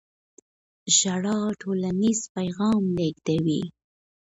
ژړا ټولنیز پیغام لېږدوي.